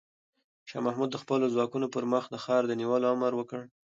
شاه محمود د خپلو ځواکونو پر مخ د ښار د نیولو امر وکړ.